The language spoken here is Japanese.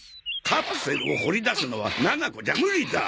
カプセルを掘り出すのはななこじゃ無理だ。